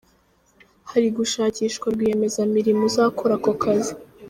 Hari gushakishwa rwiyemezamirimo uzakora ako kazi.